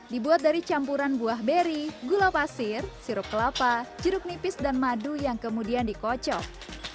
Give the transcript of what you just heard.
dibuat dari campuran buah beri gula pasir sirup kelapa jeruk nipis dan madu yang kemudian dikocok